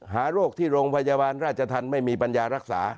โรคที่โรงพยาบาลราชธรรมไม่มีปัญญารักษา